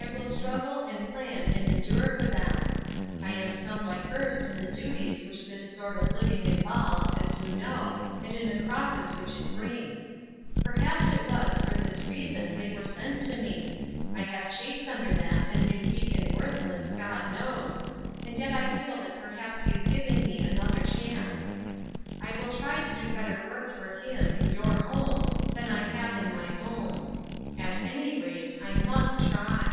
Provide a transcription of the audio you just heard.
I will struggle and plan and endure for tham. I am somewhat versed in the duties which this sort of living involves, as you know, and in the crosses which it brings. Perhaps it Duty' 8 Burden. 265 w^as for this reason they were sent to me. I have chafed under them, and been weak and worthless, God knows ; and yet I feel that p(^r haps he is giving me another chance. I will try to do better work for him, in your home, than T have in my own. At any rate, I mu%t try.